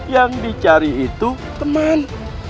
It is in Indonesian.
yang dicari itu teman